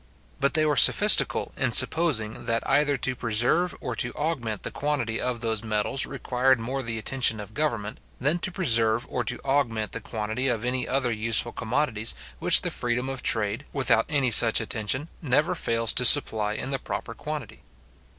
But they were sophistical, in supposing, that either to preserve or to augment the quantity of those metals required more the attention of government, than to preserve or to augment the quantity of any other useful commodities, which the freedom of trade, without any such attention, never fails to supply in the proper quantity.